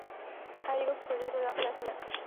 还有一个附属建筑与叫拜楼相连。